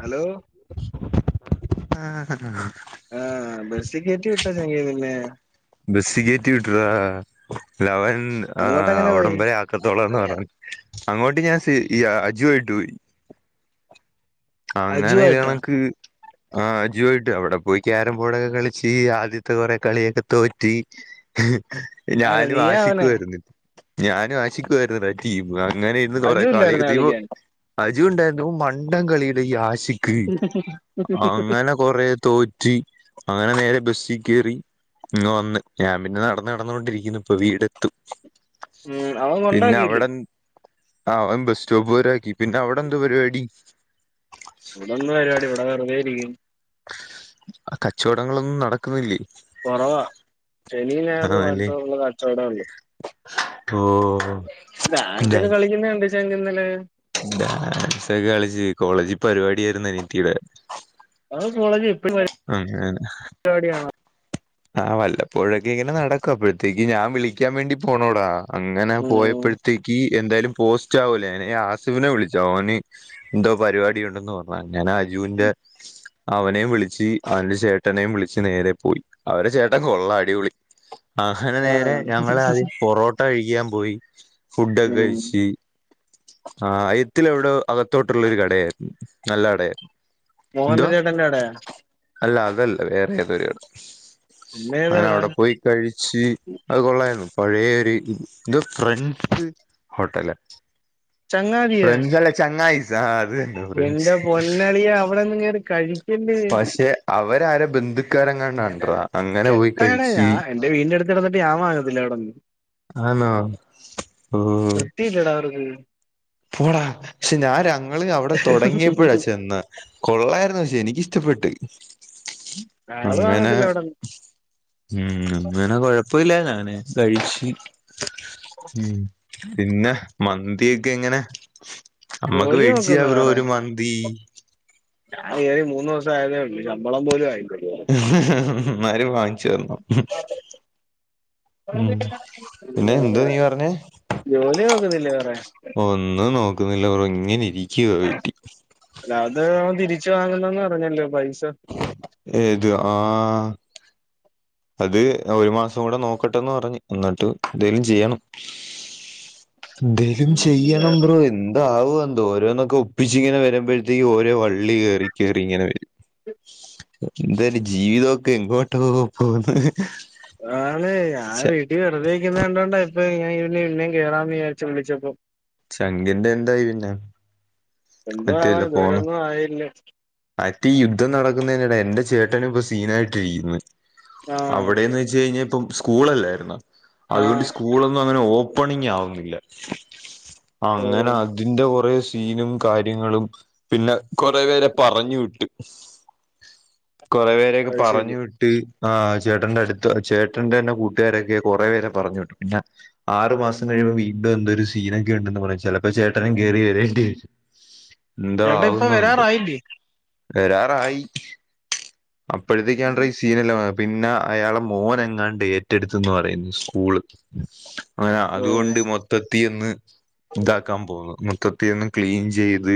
Hello ആ ഹ ഹ ഹ ആ ബസ്സിക്കേറ്റി വിട്ടാ ചങ്കെന്നു ലെ ബെസ്സിക്കേറ്റി വിട്ട്രാ ലവൻ ആ അങ്ങോട്ടെങ്ങനെ പോയി അവടമ്പരാക്കി കത്തോളന്ന് പർഞ്ഞു അങ്ങോട്ട് ഞാൻ സെ യ അജുവായിട്ടു പോയി അജു അങ്ങനെ ആയിട്ടാ ഇതേണക്ക് ആ അജുവാ യിട്ടവടെ പോയി ക്യാരം ബോഡൊക്കെ കളിച്ച് ആദ്യത് ത്തെ കൊറെ കളിയൊക്കെ തോറ്റ് ഹ് ആരാ ഞാനും നീയാ അവനെ ആശിക്കുവേര്ന്ന് ഞാനും ആശിക്കുവേരുന്നെടാ ടീമ് അങ്ങനെ ഇരുന്ന് കൊറെ അജു കളി ഇല്ലായിരുന്നോ ദീപു കളിക്കാൻ അജു ണ്ടായിരുന്നു ഓൻ മണ്ടം കളിയേനു ഈ ആശിക്ക് അങ്ങനെ കൊറേ തോറ്റി അങ്ങനെ നേരെ ബസ്സി ക്കേറി ഇങ്ങ് വന്ന് ഞാൻ പിന്നെ നടന്ന് നടന്നോണ്ടിരിക്ക്‌ന്ന് ഇപ്പ വീടെത്തും. ഉം അവൻ കൊണ്ടാക്കിയില്ലേ പിന്നവിടന്ന് ആഹ് അവൻ ബസ് സ്റ്റോപ്പ് വരാക്കി പിന്നവിടെന്തു പരിപാടി? വിടെന്ത് പരിപാടി ഇവിടെ വെറുതേയിരിക്ക്‌ന്ന്. കച്ചവടങ്ങളൊന്നും നടക്കുന്നില്ലി? കൊറവാ ശനിയും ഞായറുവണ്ടുള്ള കച്ചവടേ ഉള്ള്. ഓഹ്. ഡാൻസൊക്കെ കളിക്കുന്നണ്ട് ചങ്ക് ഇന്നലെ ഡാൻസൊക്കെ കളിച്ചു കോളേജിൽ പരിപാടിയായിരുന്നു അനിത്തീടെ ആ കോളജിപ്പഴും [unintelligible] എ അതേ അതെ രിടിയണോ? ആഹ് വല്ലപ്പോഴൊക്കെ ഇങ്ങനെ നടക്കും അപ്പോഴത്തേക്ക് ഞാൻ വിളിക്കാൻ വേണ്ടി പോണോടാ. അങ്ങനെ ഉം പോയപ്പോഴ്ത്തേക്ക് എന്തായാലും പോസ്റ്റ് ആവൂലേ അല്ലെങ്കി ആസിഫിനെ വിളിച്ച് ഓന്. എന്തോ പരിപാടി ഉണ്ടെന്ന് പർഞ്ഞു അങ്ങനെ അജൂന്റെ അവനേം വിളിച്ച് അവൻ്റെ ചേട്ടനെയും വിളിച്ച് നേരെ പോയി. അവരെ ചേട്ടം കൊള്ളാം അടിപൊളി അങ്ങനെ നേരെ ആഹ് ഞങ്ങളാദ്യം പൊറോ ട്ടകഴിക്കാൻ പോയി ഉം ഫുഡൊക്കഴിച്ച് ആഹ് ആയത്തിലെവ്ടൊ അകത്തോട്ടുള്ളൊരു കടയായിര്ന്നു നല്ല കടയായിരുന്നു. എന്തോ മോഹന്ന ചേട്ടന്റെവ്ടെയോ? അല്ല അതല്ല വേറെ ഏതൊരുട പിന്നെ ഏതാടാ ങ്ങനെവിടെ പോയി കഴിച്ച് അത് കൊള്ളായിര്ന്നു പഴേ ഒരു ന്തോഫ്രഞ്ച് ഹോട്ടല ചങ്ങാതിയാ ഫ്രഞ്ചല്ലെ ചങ്ങായിസാ ആഹ്അതെന്നേ എന്റെ പൊന്നളിയാ അവിടൊന്നുംനീകേറി കഴിക്കല്ലേ അവരാര ബന്ധുക്കാരെങ്ങാണ്ടാട്രാ അങ്ങനെ പോയ് കെട്ടകട കഴ്ച്ച്. ഞാൻ എന്റെ വീടിന്റെ അടുത്ത് കെടന്നിട്ട് ഞൻ വങ്ങത്തില്ല അവടന്ന്. ആന്നോ ഓഹ്.. അതേ. പോടാ പക്ഷെ ഞാൻ ഞങ്ങള് അവിടെ തൊടങ്ങിയപ്പഴാ ചെന്ന്. കൊള്ളായിര്ന്നു പക്ഷേ എനിക്കിഷ്ടപ്പെട്ട്. ആള് അങ്ങനെ വാങ്ങത്തില്ല അവിടൊന്നും ഉം അങ്ങനെ കൊഴ്പ്പല്ല്യരിന്ന് ഞാന് കഴിച്ച് ഉം പിന്നെ മന്തിക്കെങ്ങനെ അമ്മക്ക് ജോലി നോക്കുന്നു വേട്ച്ച്താവരൊരു വേറെ ഒരു മന്തി. ഞാൻ കയറി മൂന്ന് ദിവസം ആയതേള്ളു ശമ്പളം പോലും ആയിട്ടില്ല ഇതുവരേ എന്നാലുംവാങ്ങിച്ചരണം. ഉം പിന്നെ എന്തുയീ പർഞ്ഞേ? ജോലി നോക്കുന്നില്ല വേറെ ഒന്നും നോക്കുന്നില്ലബ്രോ ഇങ്ങനെ ഇരിക്കുവ വീട്ടി. ലാത് അവൻ തിരിച്ചു വാങ്ങ്ന്നന്ന് പറഞ്ഞല്ലോ പൈസ ഏത് ആഹ്.. അത് ഒരു മാസം കൂടെ നോക്കട്ടെന്ന് പറഞ്ഞ് എന്നിട്ട് എന്തേലും ചെയ്യണം. എന്തേലും ചെയ്യണം ബ്രോ എ എന്താവോഎന്തോ ഓരോന്നൊക്കെ ഒപ്പിച്ച് ങ്ങനെ വരുമ്പോഴ്ത്തേക്കും ഓരോ വള്ളി കേറി കേറി ഇങ്ങനെ വരും. [inaudible] എന്താലെ ജീവിതോക്കെ എങ്ങോട്ടോ പോവ്ന്ന്. ആണ് ഞൻ വീട്ടിൽ വെറുതെയിര്ക്ക്ണ കണ്ടോണ്ടാ ഇപ്പൊ ഞാൻ ഇന്നേം കേറാന്ന് വിചാര്ച് വിളിച്ചപ്പം ചങ്കിന്റെ എന്തായ് പിന്നെ. എന്തോവാൻ ഇതുവരൊന്നും ആയില്ല. അടി യുദ്ധം നടക്കുന്നതിനിടെ എന്റെ ചേട്ടനും ഇപ്പം സീനായിട്ടിരിക്ക്ന്ന്. ആ അവിടേന്ന് വെച്ച് കഴിഞ്ഞാ ഇപ്പം സ്കൂളല്ലായിര്ന്നാ ആ അതുകൊണ്ട് സ്കൂളൊ ങ്ങനെ ഓപ്പണിങ് ആവുന്നില്ല ഓ അങ്ങനെ അതിൻ്റെ കൊറേ സീനും. കാര്യങ്ങളും പിന്നെ കൊറേ പേരെ പറഞ്ഞു വിട്ടു, കൊറേ പേ ക്ക് അത് പറഞ്ഞു ശരി വി ട്ട് ആഹ് ചേട്ടന്റെ അടുത്ത ചേട്ടന്റെ തന്നെ കൂട്ടുകാരൊക്കെ കുറേ പേരെ പറഞ്ഞു വിട്ടു പിന്നെ ആറ് മാസം കഴിയുമ്പോ വീണ്ടും എന്തൊരു സീനൊക്കെ ഉണ്ടെന്ന് പറ ചിലപ്പോ ചേട്ടനും കേറി വരേണ്ടിവരും. എന്താ ചേട്ടാ ഇപ്പൊ ആവുംന്നെന്തോ. വരാറായില്ലേ വരാറായി അപ്പോഴ്ത്തേക്കാണ്ടീസീനല്ലാം വര് പിന്നെ അയാളെ മോന്ങ്ങാണ്ട് ഏറ്റെട്ത്തൂന്ന് പറയുന്നു സ്കൂള്. അങ്ങനെ ഓ അതുകൊണ്ട് മൊത്തത്തി ഒന്ന് ഇതാക്കാൻ പോകുന്നു മൊത്തത്തി ഒന്ന് ക്ലീൻ ചെയ്ത്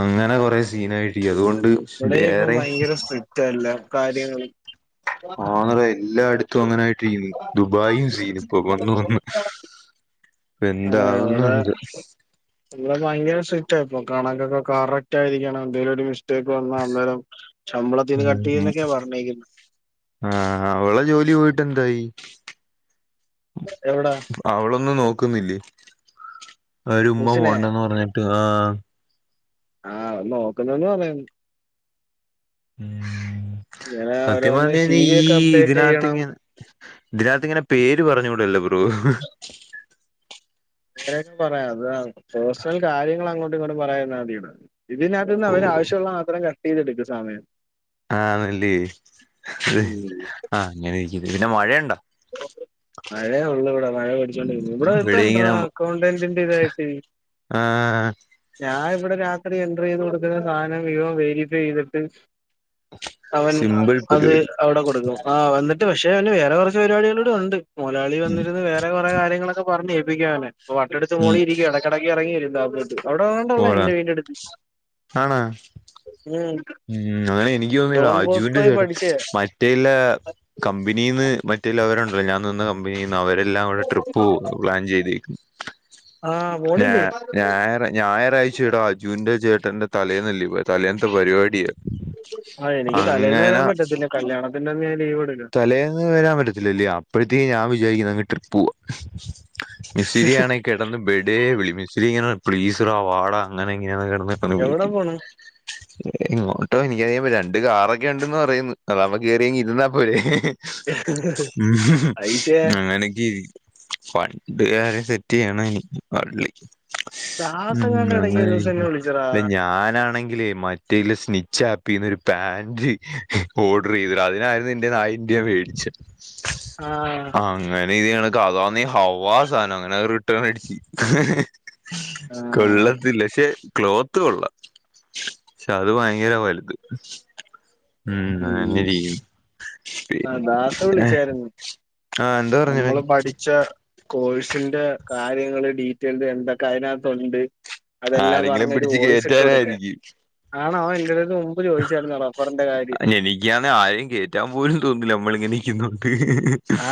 അങ്ങനെ കൊറെ സീനായിട്ട് ഇരിക്ക അതുകൊണ്ട് ഇവിടെ ഇപ്പം വേറെ ഭയങ്കര സ്ട്രിക്റ്റ എല്ല കാര്യങ്ങളും ആന്ന എല്ലായിടത്തും അങ്ങനെയിട്ട് ദുബായിയും സീൻ ഇപ്പൊ വന്ന വന്ന് എന്താവും എന്തോ അ ഭയങ്കര സ്ട്രിക്റ്റാപ്പൊ കണക്കൊക്കെ കറക്റ്റ് ആയിരിക്കണം എന്തേലും ഒരു മിസ്റ്റേക്ക് വന്നാൽ അന്നേരം ശമ്പളത്തിന്ന് കട്ട് ആഹ് ചെയ്യുന്നൊക്കെയാ പറഞ്ഞേക്കുന്നെ ഉം അവളെ ജോലി പോയിട്ട് എന്തായി എവിടാ അവളൊന്നും നോക്കുന്നില്ലേ ഒരു ഉമ്മ മുസിനെ പോണ്ടന്ന് പറഞ്ഞിട്ട് ആ ആഹ് നോക്കുന്നന്ന് പറയുന്ന് ഉം ഇങ്ങനെ സത്യം ഓരോന്ന് പറഞ്ഞു സി കഴിഞ്ഞാ വി ഈ ഒക്കെ അപ്ഡേറ്റ് ചെയ്യണം ഇതിനകത്ത്ങ്ങെനെ ഇതിനകത്ത് ഇങ്ങനെ പേര് പറഞ്ഞുകൂടല്ലോ ബ്രോ പേരൊക്കെ പറയാം അത് പേഴ്സണൽ കാര്യങ്ങൾ അങ്ങോട്ടും ഇങ്ങോട്ടും പറയാതിരുന്നാ മതീന്ന് ഇതിനകത്ത് നിന്ന് ഓ അവര് ആവശ്യമുള്ള മാത്രം കട്ട് ചെയ്തെടുക്കും സമയം ആണല്ലേ ഉം ആഹ് അങ്ങനെ ഇരിക്ക പിന്നെ മഴയുണ്ടോ മഴേ ഉള്ളൂ ഇവിടെ മഴ പടിച്ചോണ്ടിരിക്കുന്നു ഇവിടെ ഇത്ത് ഉണ്ടെടാ അക്കൗണ്ടന്റിന്റെ ഇതായിട്ട് ആഹ് ഞാൻ ഇവിടെ രാത്രി എൻറർ ചെയ്ത് കൊടുക്കുന്ന സാധനം മുഴുവൻ വെരിഫൈ ചെയ്തിട്ട് അവൻ സിമ്പിൾ അത് പരിപാടി അവിടെ കൊടുക്കും ആഹ് വന്നിട്ട് പക്ഷേ പിന്നെ വേറെ കുറച്ച് പരിപാടികളോടെ ഉണ്ട് മുതലാളി ഉം, വന്നിരന്ന് വേ റെ കുറെ കാര്യങ്ങളൊക്കെ പറഞ്ഞു ഏപ്പിക്കും അവനെ വട്ടെടുത്ത് ഉം. മോളി ഇരിക്കും എടക്കിടക്കു ഇറങ്ങി വരും ടാബോയിട്ട് അവിടെ വാണ്ടള്ളേ ഓടാ എന്റെ വീടിന്റെടുത്ത് ആണോ ഉം ഉം അതാ എനിക്ക് തോന്നിയ ഡോൺ അജുവിന്റെ ബോസ്കോയി ചേട്ട പഠിച്ചേ മറ്റേല്ല കമ്പനിയിൽന്ന് മറ്റേല്ല അവരുണ്ടല്ലോ ഞാൻ നിന്ന ക കമ്പനീന്നു അവരെല്ലാം കൂടെ ട്രിപ്പ് പോവുന്നു പ്ലാൻ ചെയ്തിരിക്കുന്നു ആ ഞാ പോണില്ലേ ഞായ ഞായറാഴ് ചെടാ അജുന്റെ ചേട്ടന്റെ തലേന്നല്ലെ പോയെ തലേന്നത്തെ പരിപാടി ആ എനിക്ക് തലേന്ന് വരാൻ അങ്ങനെ പറ്റത്തില്ല കല്യാണത്തിന്റെ അന്ന് ഞാൻ ലീവ് എടുക്കാം തലേന്ന് വരാൻ പറ്റത്തില്ലല്ല്യേ അപ്പഴത്തേന് ഞാൻ വിചാരിക്കുന്നു ട്രിപ്പ് പോവാ മിസ്രിയാണെ കെടന്ന് ബെഡേ വിളി മിസ്ലിങ്ങാ പ്ലീസെടാ വാടാ അങ്ങനെ ഇങ്ങനെയ കിടന്ന് കെന്ന് എവിടെ വിളിക്കും പോണ് ഇങ്ങോട്ടോ എനിക്കറിയാൻ പ രണ്ട് കാറൊക്കെ ഇണ്ടന്ന് പറയുന്ന് അതാവുമ്പൊ കേറിയിങ്ങ് ഇര്ന്നാ ഒരേ പൈസ ഉം അങ്ങനക്കെ ഇരി ഫണ്ട്‌ കാരെ സെറ്റെയ്യാനാ ഇനി പാട് ഉം ദാസങ്ങാണ്ട് ഇടയ്ക്ക് ഒരു അങ്ങനെയി ദിവസം എന്നെ വിളിച്ചടാ ഇപ്പ ഞാനാണെങ്കിലേ മ റ്റീല് സ്നിച്ച് ആപ്പീന്നൊര് പാന്റ് ഓഡറെയ്ത് ഡാ അതിനായിര ത്തിന്റെത് ആഇന്ത്യ മേടിച്ചു ആഹ് അങ്ങനെ ഇതയാണ് കഥന്ന ഹവ്വാ സാധം അങ്ങനെത് റിട്ടേൺ അടിച്ച് ആഹ് കൊള്ളത്തില്ല പക്ഷെ ക്ലോത്ത് കൊള്ളാം പക്ഷെ അത് ഭയങ്കര വലുത് ഉം അങ്ങന്നെരിക്കുന്നു ആ ദാസ് വിളിച്ചാര്ന്ന് ആ എന്താ പറഞ്ഞവൻ നമ്മള് പഠിച്ച കോഴ്സിന്റെ കാര്യങ്ങള് ഡീറ്റെൽഡ് എന്തൊക്കെ അതിനകതുണ്ട് അതെല്ലാം ആരെങ്കിലും പറഞ്ഞൊര് പിടിച്ച് വോയ്സ്ട്ട് കൊടുക്കേ കേറ്റാനായിരിക്കും ആണോ അവൻ എന്റടുത്ത് മുമ്പ് ചോദിച്ചായിരുന്നു റഫറ്ന്റെ കാര്യം ഇക്ക്യാന്നെ ആരെയും കേറ്റാൻ പോലും തോന്നില്ല നമ്മള് ങ്ങനിക്കുന്നോണ്ട്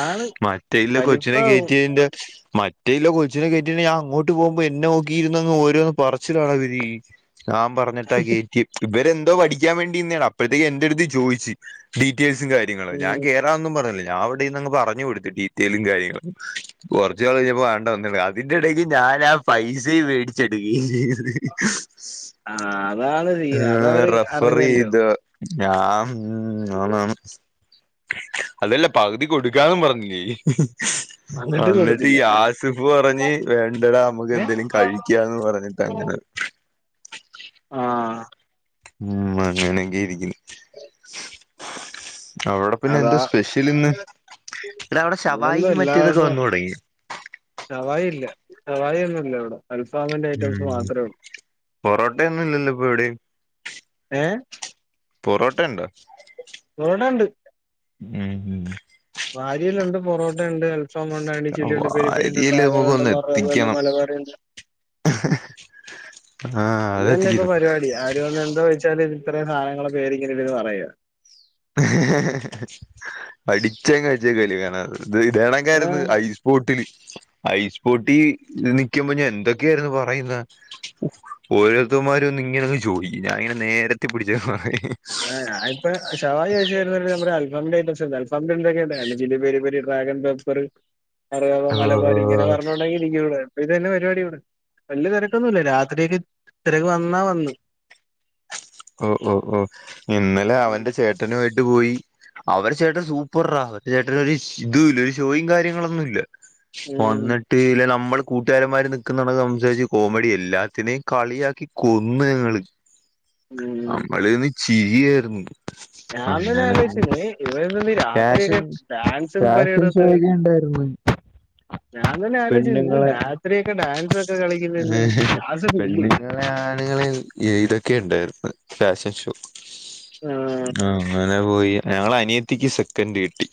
ആണ് മറ്റേ ഇല്ല കൊച്ചിനെ കലിപ്പാവും കേറ്റിയേന്റെ മറ്റ്‌ റ്റില്ല കൊച്ചിനെ കേറ്റിയില്ല ഞാൻ അങ്ങോട്ട് പോകുമ്പോ എന്നെ നോക്കിയിരുന്നങ്ങ് ഓരോന്ന് പറച്ചിലാടാ ഇവര് ഞാ പറഞ്ഞിട്ടാ കേറ്റിയെ ഇവരെന്തോ പഠിക്കാൻ വേണ്ടിന്നേണ് അപ്പോഴത്തേക്ക് എന്റെ അടുത്ത് ചോദിച്ച് ഡീറ്റെയിൽസും കാര്യങ്ങളും ഞാൻ ഉം കേ ഞ്ഞാ ഒന്നും പറഞ്ഞില്ല ഞാൻ അവ്ടെര്ന്ന് അങ്ങ് പറഞ്ഞു കൊടുത്തു ഡീറ്റെയിലും കാര്യങ്ങളും കൊറച്ച് നാള് കയ്ഞ്ഞപ്പോ വേണ്ടോന്നി അതിന്റെടക്ക് ഞാനാ പൈസിം മേടിച്ച് ആ റഫറെയ്തോ ആഹ് ഞാൻ അതാണ് സീന് ഉം അതവര് അറിഞ്ഞല്ലോ ഉം ന്ന ന്ന ന്ന അതല്ല പകുതി കൊടുക്കാന്നും പറഞ്ഞില്ലേ എന്നിട്ട് അന്നിട്ട് ഈ കൊടുത്തില്ല ആയാസിഫ് പറഞ്ഞ് വേണ്ടടാ നമ്മക്ക് എന്തേലു കഴ് ക്യാ ന്ന് പറഞ്ഞിട്ട് അങ്ങനെ ആഹ് ഉം അങ്ങനങ്കി ഇരിക്ക്‌ല്ല [inaudible] അവ്ടെ അതാ പിന്നെന്താ സ്പെഷ്യൽ ഇന്ന് ടാ അവ്ടെ ശവായിയും മറ്റേതൊക്കെ വന്നു തുടങ്ങി ഷവായി ഇല്ല സവായി ഒന്നുംല്ല അവ്ടെ അൽഫാമിന്റെ ഐറ്റംസ് മാത്രെ ഉള്ളൂ പൊറോട്ടൊയൊന്നും ഇല്ലല്ലോ ഇപ്പൊ എവ്ടിം ഏഹ് പൊറോട്ടയുണ്ട് ഇവടേണ്ട് ഉം ഉം ആര്യയലുണ്ട് പൊറോട്ടയുണ്ട് അൽഫ ഫാമുണ്ട് അയ്‌ന്റെ ചില്ലി ണ്ട് പെരി പെരിണ്ട് വാരിയല് ഡ്രാവറ ഉണ്ട് നമുക്കൊന്ന് മറ ഉണ്ട് എത്തിക്കണം മലബാറിണ്ട് ആ അതത്തിച്ചരും ഇവട്ന്ന് എന്ത്‌ കഴിച്ചാല് ഇത്രയും സധനങ്ങള പേര് ങ്ങനെ ഇവര് പറയ അടിച്ചങ്ങ്ച്ച കല് കാണ ഇത് ഇതേണക്കാരുന്നു അയ്സ് ബോട്ടില് ഐസ് ബോട്ടി നിക്കുമ്പോ ഞാൻ എന്തൊക്കെയായിരുന്നു പറയുന്ന ഒ ഓരോരുത്തമാര് വന്ന് ഇങ്ങനെ ചോയിക് ഞാനിങ്ങനെ നെരത്തി പിടിച്ച ആ ഞാനിപ്പോ ഷവായി ചോയ്ച് വരുന്നർക്ക്‌ നമ്മുടെ അൽഫാമിന്റെ ഐറ്റംസ് കാണിച് സംമ്പരംന്തൊക്കെ ഇതാണ് ജിലിപെരി പൊരി ഡ്രാഗൺ പെപ്പറ് അറവരാ മലബാരി ആഹ് ഇങ്ങനെറഞ്ഞോണ്ടക്കെ ഇരിക്കവിടെ പിന്നെ എന്താ പരിപാടിവിടെ വല്യ തെരക്കൊന്നുംല്ല രാത്രിയക്കെ തിരക്ക് വന്നാ വന്ന് ഓഹ് ഓഹ് ഓഹ് ഇന്നലെ അവന്റെ ചേട്ടനു ആയിട്ട് പോയി അവരെ ചേട്ടൽ സൂപ്പർ റാ അവരു ചേട്ടൻ സ്‌ ഇതൂല ഒരു ഷോയും കാര്യങ്ങളൊന്നുല്ല ഒ ഉം ന്നെട് ട്ടീല്ല നമ്മൾ കൂട്ടുകാരന്മാർ ന്നിക്കന്നട സംസാരിച്ച് കോമഡി എല്ലാത്തിനെ കളിയാക്കി കൊന്ന് ഞങ്ങൾ ഉം നമ്മളെന്ന് ചിരിയായിരുന്നു രാമന അങ്ങനെ ആലോചിനെ ഇവിടെന്ന് രാത്രിയൊക്കെ ഡാൻസും പരേഡും ഒക്കെ ചോയ്കണ്ടായിര്ന്നു ഞാൻ തന്നെ ആലോച്ച് ന്ന് രാത്രിയൊക്കെ ഡാൻസൊക്കെ കളിക്കുന്ന് രാസൊ ഇല്ലേ ആളുകള് ഏയ്തൊക്കെ ഇണ്ടായിര്ന്ന് ഫാഷൻ ഷോ ആഹ് ആ അങ്ങനെ പോയി ഞളെ അനിയത്തിക്ക് സെക്കൻഡ് കിട്ടി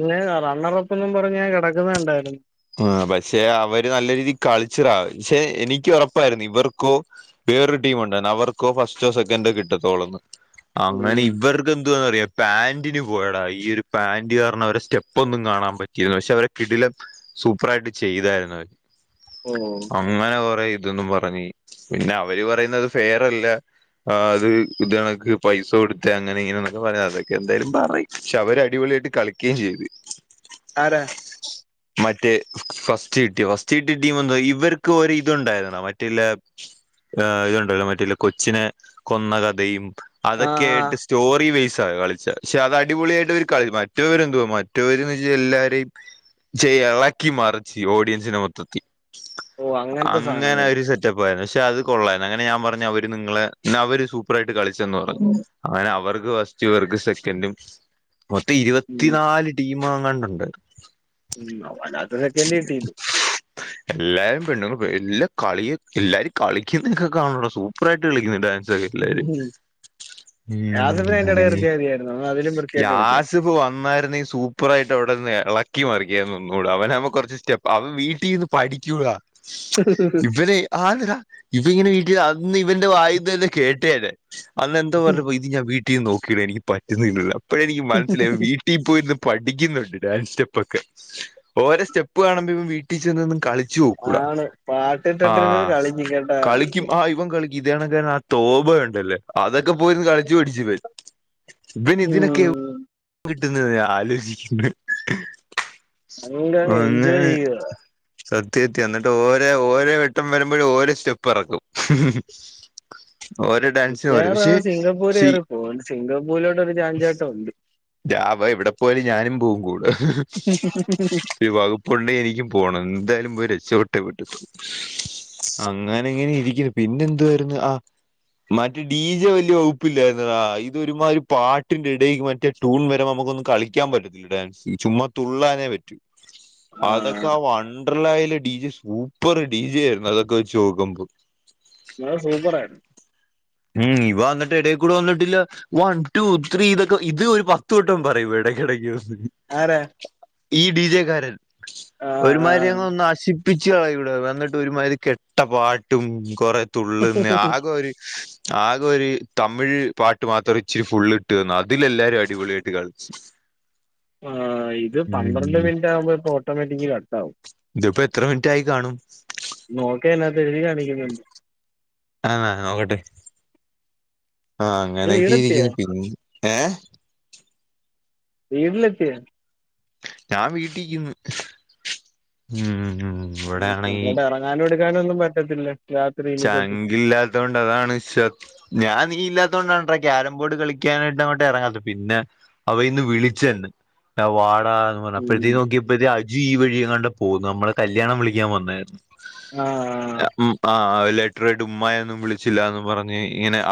ന്ന് റണ്ണറപ്പന്നും പറഞ്ഞാ കെടക്കുന്ന ഇണ്ടായിരുന്നു ആ പക്ഷെ അവര് നല്ല രീതിയിൽ കളിച്ചറാ പക്ഷെ എനിക്ക് ഉറപ്പായിരുന്നു ഇവർക്കോ വേറൊരു ടീമ ഉണ്ടായി അവർക്കോ ഫസ്റ്റോ സെക്കൻഡോ കിട്ടത്തോളന്ന് അങ്ങനെ ഉം ഇവർ എന്തുവാണറിയോ പാന്റിന് പോയടാ ഈ ഒരു പാന്റ് കാരണം അവരെ സ്റ്റെപ്പ് ഒന്നും കാണാൻ പറ്റിത പക്ഷെ അവരെ കിടിലം സൂപ്പറായിട്ട് ചെയ്തായിരുന്നു അവര് ഓ അങ്ങനെ കുറെ ഇ ഇതൊന്നും പറഞ്ഞ് പിന്നെ അവര് പറയുന്നത് ഫെയർല്ല ആ അത് ഇത് കണക്ക് പൈസ കൊടുത്ത അങ്ങനെ ഇങ്ങനെന്നൊക്കെ പറയാ അതൊക്കെ എന്തായാലും പറയ് പക്ഷെ അവര് അടിപൊളിയായിട്ട് കളിക്കെ ചെയ്ത് ആരാ മറ്റേ ഫസ്റ്റ് കിട്ടിയ ഫസ്റ്റ് കിട്ടിയ ടീമ് ഒന്ന ഇവർക്ക് ഒരി ഇത് ഉണ്ടായിരുന്ന മറ്റെല്ല ഇതുണ്ടല്ലോ മറ്റലെ കൊച്ചിനെ കൊന്ന കഥയും ആഹ് അതൊക്കെയ ആയിട്ട് ആഹ് സ്റ്റോറി ബേസ് ആ കളിച്ച ക്ഷെ അത് അടിപൊളിയായിട്ട് അവര് കള മറ്റവര് എന്തുവാ മറ്റവരന്ന് വെച്ചാൽ എല്ലാരെയും ചെ ഇളക്കി മറിച്ച് ഓഡിയൻസിന്റെ മൊത്തത്തിൽ ഓ അങ്ങനത്തെ അങ്ങനെ സാധനങ്ങൾ ഒരു സെ [unintelligible] പക്ഷെ അത് കൊള്ളായിരുന്നു അങ്ങനെ ഞാൻ പറഞ്ഞഞ് അവര് നിങ്ങള് അവര് സൂപ്പർായിട്ട് കളിച്ചന്ന് പറഞ്ഞു ഉം അങ്ങനെ അവർക്ക് ഫസ്റ്റ് ഇർക്ക് സെക്കൻഡും മൊത്തം ഇരുപത്തിനാല് ടീ മാങ്ങാണ്ടണ്ട് ഉം [unintelligible] ഇട്ടീല് എല്ലാരും പെണ്ണു എല്ലാ കളിയ എല്ലരും കളിക്കുന്നക്കെ കാണ സൂപ്പർായിട്ട് കളിക്കുന്നു ഡ [unintelligible] ഉം യാസഫിനെ അതിന്റെ അങ്ങനെ ഇടയിൽ നിർത്തിയാൽ മതിയായിരുന്നു അവൻ അതിലും വൃത്തിയായിട്ട് കളിച്ചായിരുന്നു യാസ്ഫ് വന്നരുന്നെ സൂ സുപ്പുറായിട്ട് അവിടെന്ന് ഇളക്കി മാറിക്കിയ ഒന്നുകൂട അവനുമ കുറച്ച് സ്റ്റെപ്പ് അവൻ വീട്ടിൽന്ന് പഠിക്കൂലാ ഇവനെ ആണെടാ ഇവ ഇങ്ങനെ വീട്ട അന്ന് ഇവന്റെ വായന്ന്ല്ലെ കേട്ടേല്ല അന്ന് എന്തോ പറഞ്ഞ ഇത് ഞാൻ വീട്ടിൽ നോക്കിയി എനിക്ക് പറ്റുന്നില്ല അപ്പോഴെനിക്ക് മനസ്സിലായി വീട്ടി ഇപ്പോ ഇന്ന് പഠിക്കുന്നുണ്ട് ഡാൻസ് സ്റ്റെപ്പ ഒക്കെ ഓരോ സ്റ്റെപ്പ് കാണുമ്പോ ഇവൻ വീട്ടീ ചെന്ന് കളി ചൂട ആണ് പാട്ടിട്ടിട്ടിരുന്ന് ആഹ് കളിക്കും കേട്ടാ കളിക്കും ആഹ് ഇവൻ കളി ഇതാണ കാര ആ തോപ ഒണ്ടല്ലേ അതൊക്കെ പോയിന്ന് കളിച്ചു പിടിച് ഇവൻ ഇവന് ഇതിനൊക്കെ ഉം കിട്ടുന്ന ആലോചിക്കുന്നു അതുകൊണ്ട് അങ്ങ് ഒന്ന് എൻജോയ് ചെയ്യുക സത്യത്തി എന്നിട്ട് ഓര ഓരോ വട്ടം വരുമ്പോഴ ഓരോ സ്റ്റെപ്പ് ഇറക്കും ഓരുടെ ഞാൻ നാളെ സിംഗപ്പൂര് കയറിപ്പോവാ സിംഗപ്പൂരിലോട്ടൊ ഒരു ചാഞ്ചാട്ടം ഉണ്ട് രാവ ഇവിടെ പോല ഞാനും പോ കൂട് [unintelligible] [inaudible] ബീമാപലിഎനിക്കു പോകണം എന്തായാലും രക്ഷപട്ടെ പറ്റത്തൊള്ളൂ [inaudible] അങ്ങന ഇങ്ങനെ ഇരിക്കുന്നു പിന്നെന്ന്തുയിരുന്നു ആ മറ്റേ ഡി ജെ വലിയ വകുപ്പില്ലായിരുന്നാ ഇതൊ ഒരുമാതി ഒരു പാട്ടിന്റെ ഇടക്ക് മറ്റേത് ടൂൺ വരെ നമുക്കൊന്നും കളിക്കാൻ പറ്റത്തില്ല ഡാൻസ് ചുമത്തുള്ളാനേ പറ്റൂ ആഹ് അതൊക്കെ ആ വണ്ടർലായല ഡിജെ സൂപ്പർ ഡിജെ ആയിരുന്നു അതൊക്കെ വെച്ച് നോക്കുമ്പ്പോൾ ആഹ് സൂപ്പർായിരുന്നു ഉം ഇവ ന്നട്ട് എടേയ് കൂടെ വന്നിട്ടില്ല വൺ ടു ത്രീ ഇതൊക്കെ ഇത് ഒരു പത്ത് വട്ടം പറയൂ ഇടക്കിടക്ക് ആരെ ഈ ഡി ജെക്കാരൻ ആഹ് ഒരുമാ ആഹ് [unintelligible] നശിപ്പിച്ച് കളയു വന്നിട്ട് ഒരുമാതിരി കെട്ട പാട്ടും കൊറെ തുള്ളുന്നെ ആകെ ഒരു ആകെ ഒരു തമിഴ് പാട്ട് മാത്രം ഇച്ചിരി ഫുള് ഇട്ട് തന്നു അതിൽെല്ലാവാരും അടിപൊളിയ ആയിട്ട് കളിച്ചു ആഹ് ഇത് പന്ത്രണ്ട് ഉം മിനിറ്റ് ആകുമ്പോ ഓട്ടോമാറ്റിക്ക ക ട്ടാവും ഇതിപ്പോ എത്ര മിനിറ്റ് ആായി കാണും നോക്ക എന്നാത്തെ എഴുതി കാണിക്കുന്നുണ്ട് ആഹ് നോക്കട്ടെ ആഹ് നീ അങ്ങനെയൊക്കെ വീടെത്തിയോ ഇരിക്കുന്നു പിന്നെ ഏ വീട്ടില എത്തിയ ഞാൻ വീട്ടിക്ക്‌ന്ന് ഉംഉം [unintelligible] ഇറങ്ങാനും എടുക്കാന ഒന്നും പറ്റത്തില്ല രാത്രി ഇനി തൊട്ട് ചങ്കില്ലാത്ത കൊണ്ട് അതാണ് വിശ്പ്പ് ഞാൻ നീ ഇല്ലാതോണ്ടാണ് കേരം ബോർഡ് കളിക്കാനായിട്ട് അങ്ങോട്ട് ഇറങ്ങാത്ത പിന്നെ അവയിന്ന് വിളിച്ചന്ന് വാട ഉം അപ്പയത നോക്കിയപ്പോതി അജു ഈ വഴിെങ്ങാണ്ട് പോകുന്നു നമ്മളെ കല്യാണം വിളിക്കാൻ വന്നേ ആഹ് [unintelligible] ലെറ്ററായിട്ട് ഉമ്മായിന്നും വിളിച്ചില്ലന്ന് പറഞ്ഞ് ഇങ്ങനെ അ